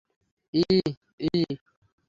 EEE - EEE?